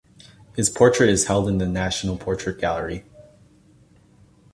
His portrait is held in the National Portrait Gallery.